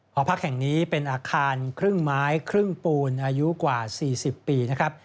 หอพักแห่งนี้เป็นอาคารครึ่งไม้ครึ่งปูนอายุกว่า๔๐ปีนะครับ